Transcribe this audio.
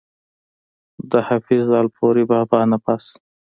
د حافظ الپورۍ بابا نه پس